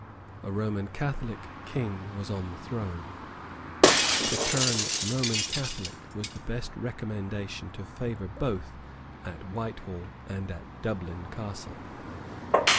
A Roman Catholic king was on the throne. To turn Roman Catholic was the best recommendation to favour both at Whitehall and at Dublin Castle.